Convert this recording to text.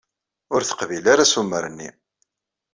Ur teqbil ara assumer-nni.